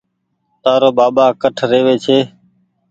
تآرو ٻآٻآ ڪٺ رهوي ڇي